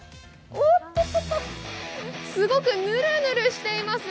おっとと、すごくぬるぬるしています。